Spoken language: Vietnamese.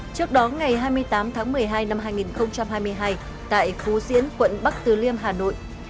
trước đó ngày hai mươi tám tháng một mươi hai năm hai nghìn hai mươi hai tại phú diễn quận bắc từ liêm hà nội